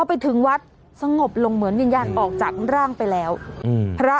ไปถึงวัดสงบลงเหมือนวิญญาณออกจากร่างไปแล้วอืมพระ